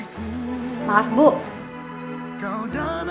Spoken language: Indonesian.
aku harus jujur pada hatiku